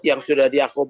yang sudah diakui